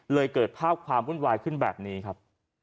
เกิดภาพความวุ่นวายขึ้นแบบนี้ครับ